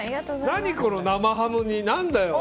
何この、生ハムに。